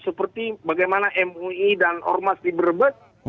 seperti bagaimana mui dan ormas di brebes